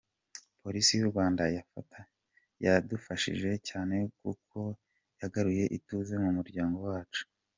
Polisi y’u Rwanda yadufashije cyane kuko yagaruye ituze mu muryango wacu.